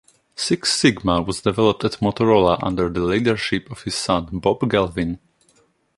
Six sigma was developed at Motorola under the leadership of his son, Bob Galvin.